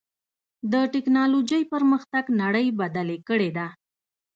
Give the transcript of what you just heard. د ټکنالوجۍ پرمختګ نړۍ بدلې کړې ده.